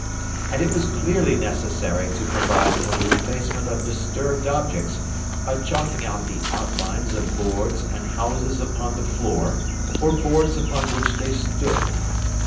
And it was clearly necessary to provide for the replacement of disturbed objects by chalking out the outlines of boards and houses upon the floor or boards upon which they stood.